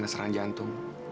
itu nomor kan ou